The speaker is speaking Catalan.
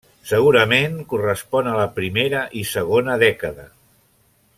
Segurament correspon a la primera i segona dècada.